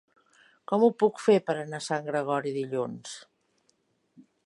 Com ho puc fer per anar a Sant Gregori dilluns?